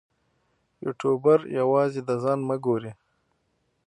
یوټوبر یوازې د ځان مه ګوري.